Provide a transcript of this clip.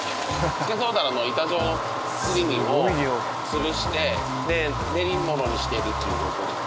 スケトウダラの板状のすり身を潰して練り物にしていくっていう事を。